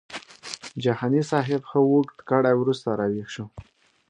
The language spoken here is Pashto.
جهاني صاحب ښه اوږد ګړی وروسته راویښ شو.